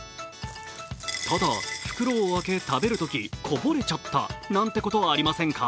ただ、袋をあけ食べるときこぼれちゃったなんていうことはありませんか？